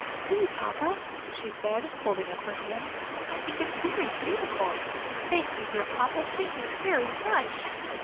"See, papa," she said, holding up her hand. "I think it very beautiful; thank you, dear papa, thank you very much."